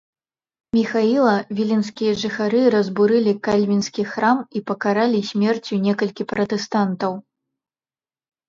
Міхаіла, віленскія жыхары разбурылі кальвінскі храм і пакаралі смерцю некалькі пратэстантаў.